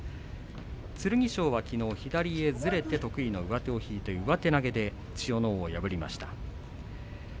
剣翔はきのう左にずれて得意の上手を取って上手投げ千代ノ皇を破っています。